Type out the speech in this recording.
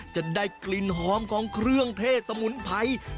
จะได้กลิ่นหอมของเครื่องเทศสมุนไพร